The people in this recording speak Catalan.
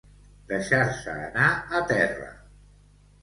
Deixar-se anar a terra.